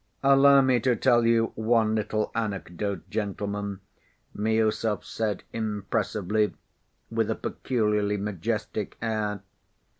"Allow me to tell you one little anecdote, gentlemen," Miüsov said impressively, with a peculiarly majestic air.